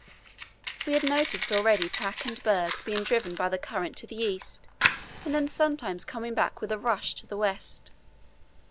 We had noticed already pack and bergs being driven by the current to the east and then sometimes coming back with a rush to the west.